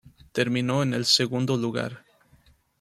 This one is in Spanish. Terminó en el segundo lugar.